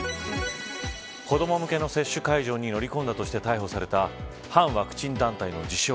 子ども向けの接種会場に乗り込んだとして逮捕された反ワクチン団体の自称